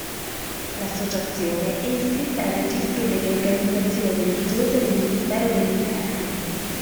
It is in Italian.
L'associazione è iscritta al registro delle organizzazioni religiose del Ministero dell'interno.